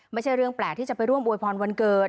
ไม่ใช่เรื่องแปลกที่จะไปร่วมอวยพรวันเกิด